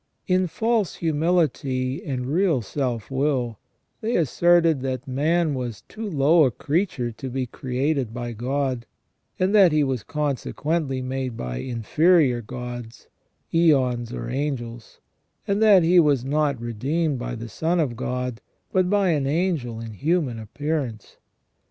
In false humility and real self will, they asserted that man was too low a creature to be created by God, and that he was consequently made by inferior gods, eons or angels, and that he was not redeemed by the Son of God, but by an angel in human appearance.